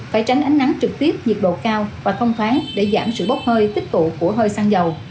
phải tránh ánh nắng trực tiếp nhiệt độ cao và thông thoáng để giảm sự bốc hơi tích tụ của hơi xăng dầu